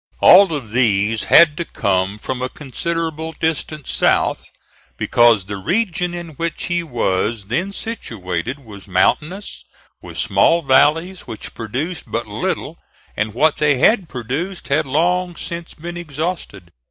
All of these had to come from a considerable distance south, because the region in which he was then situated was mountainous, with small valleys which produced but little, and what they had produced had long since been exhausted.